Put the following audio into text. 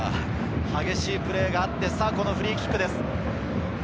激しいプレーがあってフリーキックです。